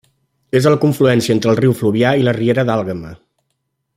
És a la confluència entre el riu Fluvià i la riera d'Àlguema.